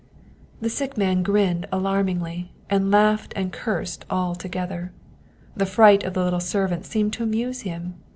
The sick man grinned alarmingly, and laughed and cursed all together. The fright of the little servant seemed to amuse him.